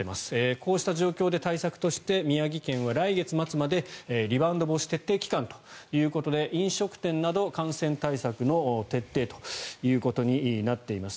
こうした状況で対策として宮城県は来月末までリバウンド防止徹底期間ということで飲食店など感染対策の徹底ということになっています。